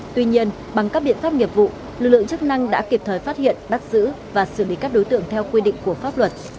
tuy nhiên bằng các biện pháp nghiệp vụ lực lượng chức năng đã kịp thời phát hiện bắt giữ và xử lý các đối tượng theo quy định của pháp luật